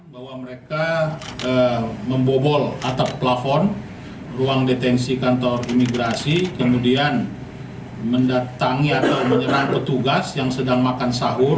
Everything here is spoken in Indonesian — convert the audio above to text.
bahwa mereka membobol atap plafon ruang detensi kantor imigrasi kemudian mendatangi atau menyerang petugas yang sedang makan sahur